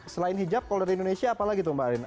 selain hijab kalau dari indonesia apalagi tuh mbak arin